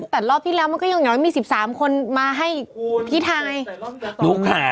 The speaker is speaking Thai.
แต่รอบที่แล้วมันก็ยังยังไม่มี๑๓คนมาให้พี่ไทย